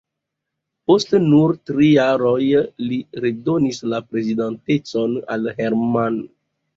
Post nur tri jaroj li redonis la prezidantecon al Herrmann.